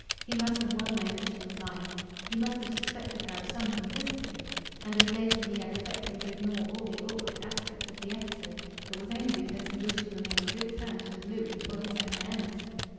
He must have well known that she was lying; he must have suspected her of some complicity; and if later he had affected to ignore all the awkward aspects of the episode it was only because he wished to remain on good terms with Louis for his own ends.